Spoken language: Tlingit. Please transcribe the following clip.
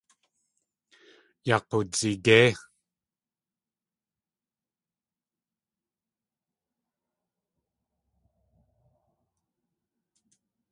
Yaa k̲oowdzigéi.